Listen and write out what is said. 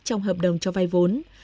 trong hợp đồng cho vay vốn